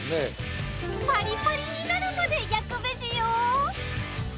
パリパリになるまで焼くベジよ